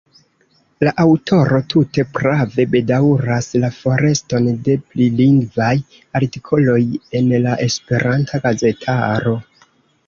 La aŭtoro tute prave bedaŭras la foreston de prilingvaj artikoloj en la esperanta gazetaro.